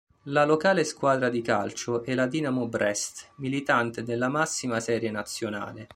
La locale squadra di calcio è la Dinamo Brest, militante nella massima serie nazionale.